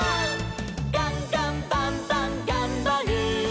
「ガンガンバンバンがんばる！」